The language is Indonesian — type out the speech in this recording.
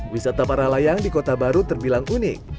wisata para layang di kota baru terbilang unik